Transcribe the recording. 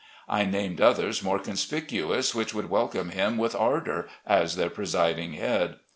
I named others more conspicuous which would welcome him with ardour as their presiding head.